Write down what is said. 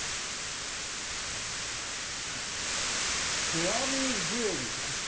「手編みジュエリー」って。